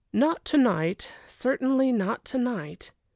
Not to night certainly not to night.